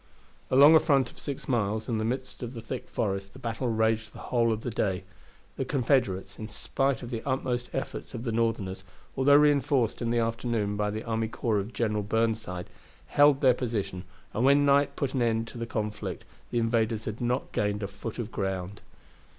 Along a front of six miles, in the midst of the thick forest, the battle raged the whole of the day. The Confederates, in spite of the utmost efforts of the Northerners, although reinforced in the afternoon by the army corps of General Burnside, held their position, and when night put an end to the conflict the invaders had not gained a foot of ground.